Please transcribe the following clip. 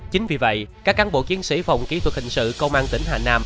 chính vì vậy các cán bộ chiến sĩ phòng kỹ thuật hình sự công an tỉnh hà nam